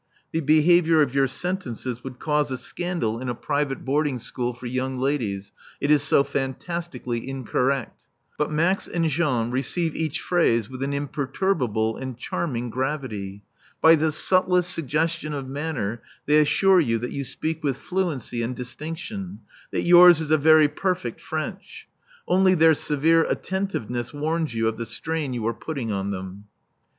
The behaviour of your sentences would cause a scandal in a private boarding school for young ladies, it is so fantastically incorrect. But Max and Jean receive each phrase with an imperturbable and charming gravity. By the subtlest suggestion of manner they assure you that you speak with fluency and distinction, that yours is a very perfect French. Only their severe attentiveness warns you of the strain you are putting on them.